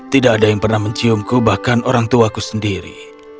tidak ada yang pernah menciumku bahkan orangtuaku sendiri